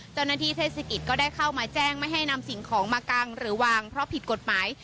เทศกิจก็ได้เข้ามาแจ้งไม่ให้นำสิ่งของมากังหรือวางเพราะผิดกฎหมาย